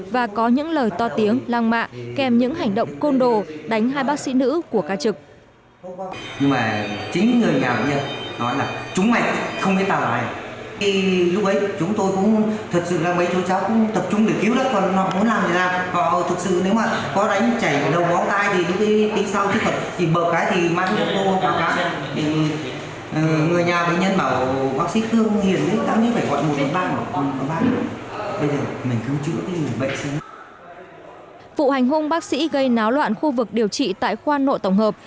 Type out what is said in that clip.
vụ hành hôn bác sĩ gây náo loạn khu vực điều trị tại khoa nội tổng hợp